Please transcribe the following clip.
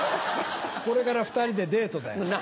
これから２人でデートだよ。